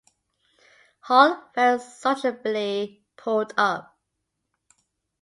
Hall very sociably pulled up.